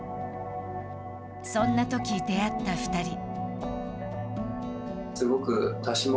そんなとき、出会った２人。